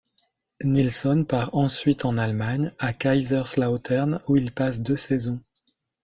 Nilsson part ensuite en Allemagne à Kaiserslautern, où il passe deux saisons.